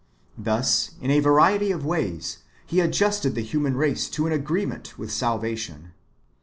^ Thus, in a variety of ways, He adjusted the human race to an agree ment with salvation.